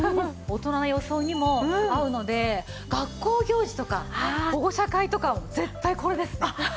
大人の装いにも合うので学校行事とか保護者会とか絶対これですね。